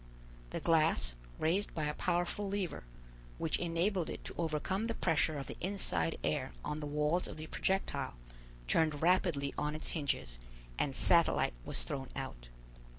The glass, raised by a powerful lever, which enabled it to overcome the pressure of the inside air on the walls of the projectile, turned rapidly on its hinges, and Satellite was thrown out.